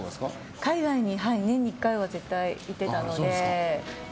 海外に年に１回は絶対行ってたので。